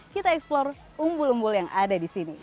kita eksplor umbul umbul yang ada